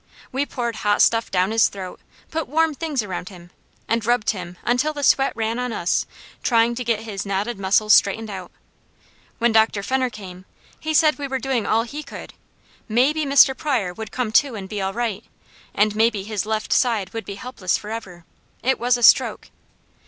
We poured hot stuff down his throat, put warm things around him, and rubbed him until the sweat ran on us, trying to get his knotted muscles straightened out. When Dr. Fenner came he said we were doing all he could; MAYBE Mr. Pryor would come to and be all right, and maybe his left side would be helpless forever; it was a stroke.